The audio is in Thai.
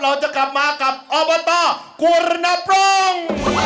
เราจะกลับมากับอบกูล้านพั้ม